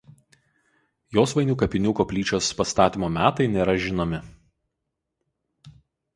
Josvainių kapinių koplyčios pastatymo metai nėra žinomi.